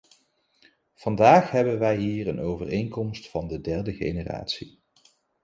Vandaag hebben wij hier een overeenkomst van de derde generatie.